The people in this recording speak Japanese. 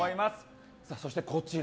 そしてこちら。